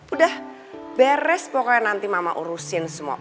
udah beres pokoknya nanti mama urusin semua